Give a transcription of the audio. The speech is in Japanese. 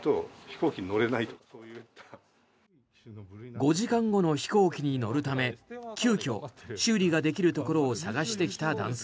５時間後の飛行機に乗るため急きょ修理ができるところを探して、来た男性。